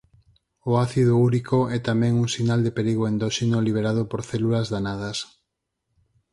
O ácido úrico é tamén un sinal de perigo endóxeno liberado por células danadas.